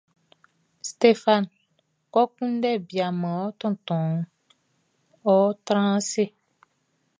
Stéphane, kɔ kunndɛ bia man ɔ tontonʼn; ɔ́ trán ase.